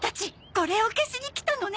これを消しに来たのね。